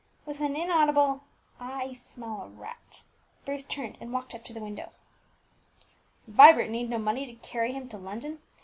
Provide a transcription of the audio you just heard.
With an inaudible "I smell a rat," Bruce turned and walked up to the window. "Vibert need no money to carry him to London!